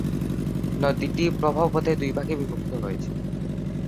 নদীটি প্রবাহ পথে দুই ভাগে বিভক্ত হয়েছে।